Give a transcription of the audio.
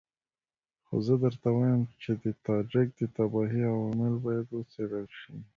خو زه درته وایم چې د تاجک د تباهۍ عوامل باید وڅېړل شي.